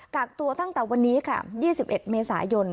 กักตัวตั้งแต่วันนี้ค่ะ๒๑เมษายน